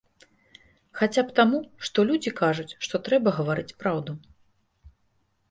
Хаця б таму, што людзі кажуць, што трэба гаварыць праўду.